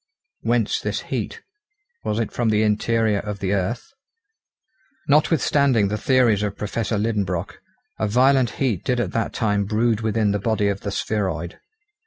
Whence this heat? Was it from the interior of the earth? Notwithstanding the theories of Professor Liedenbrock, a violent heat did at that time brood within the body of the spheroid.